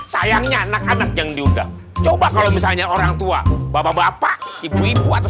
sayangnya anak anak yang diunggah coba kalau misalnya orang tua bapak bapak ibu ibu atau